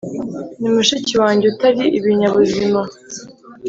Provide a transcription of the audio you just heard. ni mushiki wanjye utari ibinyabuzima.